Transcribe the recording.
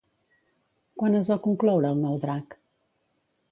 Quan es va concloure el nou drac?